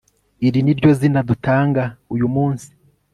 iri ni ryo zina dutanga uyu munsi